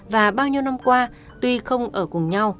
và bao nhiêu năm qua tuy không ở cùng nhau